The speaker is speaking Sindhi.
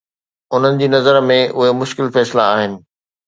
انهن جي نظر ۾، اهي مشڪل فيصلا آهن؟